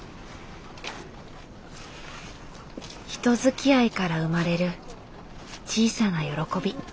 人づきあいから生まれる小さな喜び。